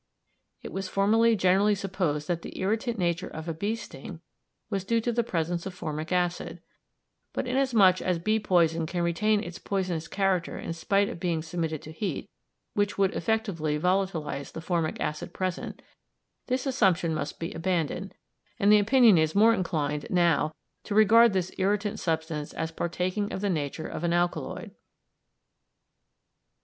It was formerly generally supposed that the irritant nature of a bee's sting was due to the presence of formic acid; but inasmuch as bee poison can retain its poisonous character in spite of being submitted to heat, which would effectually volatilise the formic acid present, this assumption must be abandoned, and opinion is more inclined now to regard this irritant substance as partaking of the nature of an alkaloid.